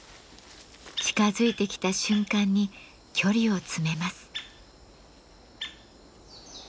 近づいてきた瞬間に距離を詰めます。